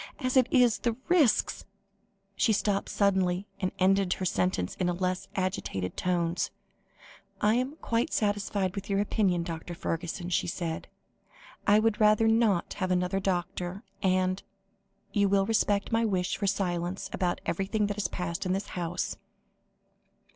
As it is, the risks" she stopped suddenly, and ended her sentence in less agitated tones "I am quite satisfied with your opinion, Dr. Fergusson," she said. "I would rather not have another doctor, and you will respect my wish for silence about everything that has passed in this house?"